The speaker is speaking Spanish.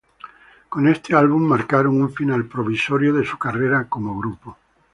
Con este álbum marcaron un final provisorio de su carrera como grupo.